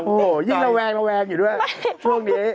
โอ้โหยิ่งระแวงระแวงอยู่ด้วยช่วงนี้